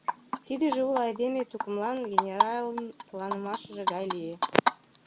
Тидыже уло айдеме тукымлан генералын тыланымашыже гай лие.